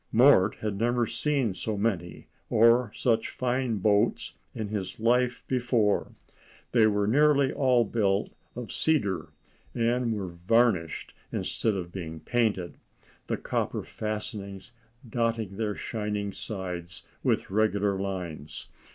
Mort had never seen so many or such fine boats in his life before. They were nearly all built of cedar, and were varnished instead of being painted, the copper fastenings dotting their shining sides with regular lines.